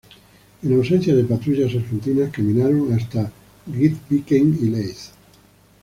En ausencia de patrullas argentinas, caminaron hasta Grytviken y Leith.